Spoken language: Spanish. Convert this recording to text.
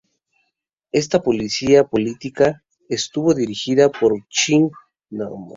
Esta policía política estuvo dirigida por Chiang Ching-kuo, hijo de Chiang Kai-shek.